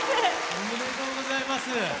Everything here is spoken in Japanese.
おめでとうございます。